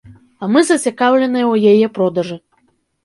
А мы зацікаўленыя ў яе продажы.